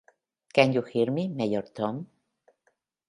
Can you hear me, Major Tom?